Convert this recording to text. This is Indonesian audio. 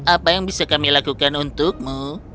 apa yang bisa kami lakukan untukmu